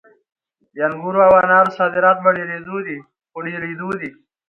د انګورو او انارو صادرات په ډېرېدو دي.